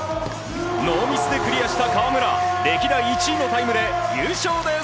ノーミスでクリアした河村歴代１位のタイムで優勝です。